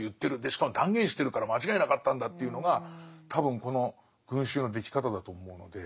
しかも断言してるから間違いなかったんだ」っていうのが多分この群衆のでき方だと思うので。